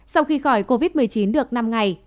sau khi khỏi covid một mươi chín được năm ngày